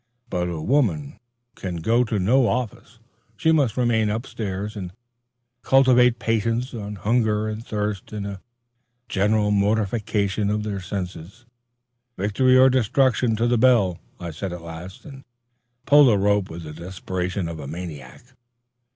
But a woman can go to no office. She must remain up stairs and cultivate patience on hunger and thirst and a general mortification of the senses. "Victory, or destruction to the bell!" I said at last, and pulled the rope with the desperation of a maniac.